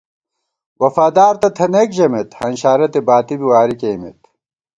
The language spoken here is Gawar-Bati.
وفادار تہ تھنَئیک ژَمېت، ہنشارَتےباتی بی واری کېئیمت